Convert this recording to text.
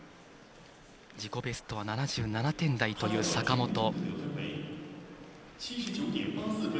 自己ベストは７７点台という坂本。